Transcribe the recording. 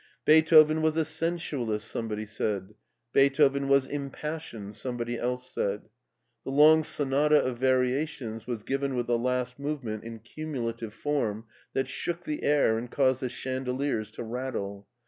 " Beethoven was a sensualist," somebody said. " Beethoven was impassioned," somebody else said. The long sonata of variations was given with the last movement in cumulative form that shook the air and caused the chandeliers to rattle.